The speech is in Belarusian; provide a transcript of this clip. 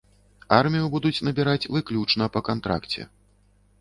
Армію будуць набіраць выключна па кантракце.